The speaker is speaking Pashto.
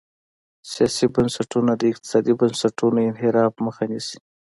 سیاسي بنسټونه د اقتصادي بنسټونو انحراف مخه نیسي.